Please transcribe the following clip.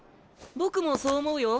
僕もそう思うよ。